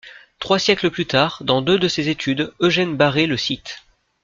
Trois siècles plus tard, dans deux de ses études, Eugène Barret le cite.